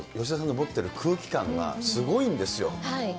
吉田さんが持ってる空気感がすごいんですよ。